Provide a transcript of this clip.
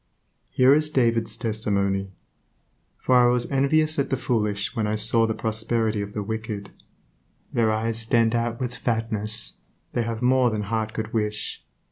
Here is David's testimony: For I was envious at the foolish when I saw the prosperity of the wicked...... Their eyes stand out with fatness; they have more than heart could wish.